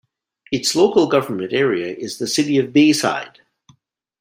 Its local government area is the City of Bayside.